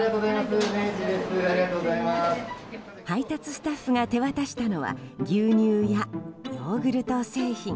配達スタッフが手渡したのは牛乳やヨーグルト製品。